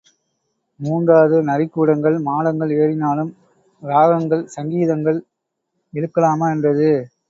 மூன்றாவது நரி கூடங்கள் மாடங்கள் ஏறினாலும் இராகங்கள் சங்கீதங்கள் இழுக்கலாமா என்றது.